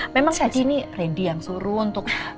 memang tadi ini reddy yang suruh untuk